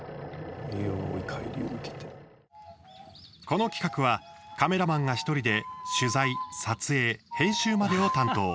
この企画はカメラマンが１人で取材、撮影、編集までを担当。